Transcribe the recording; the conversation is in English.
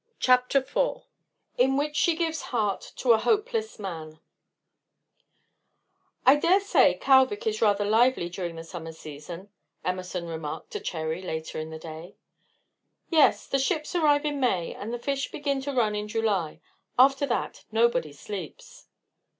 CHAPTER IV IN WHICH SHE GIVES HEART TO A HOPELESS MAN "I dare say Kalvik is rather lively during the summer season," Emerson remarked to Cherry, later in the day. "Yes; the ships arrive in May, and the fish begin to run in July. After that nobody sleeps."